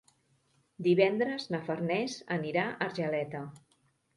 Divendres na Farners anirà a Argeleta.